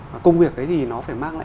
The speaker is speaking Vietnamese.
và công việc ấy thì nó phải mang lại